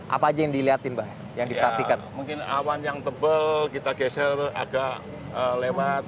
apa aja yang dilihatin mbak yang diperhatikan mungkin awan yang tebal kita geser agak lewat